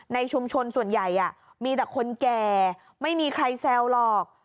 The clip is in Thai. ในชุมชนส่วนใหญ่มีแต่คนแก่ไม่มีใครแซวหรอก